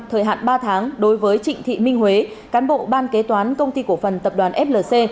thời hạn ba tháng đối với trịnh thị minh huế cán bộ ban kế toán công ty cổ phần tập đoàn flc